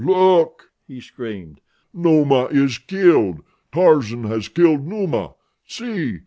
Look!" he screamed. "Numa is killed. Tarzan has killed Numa. See!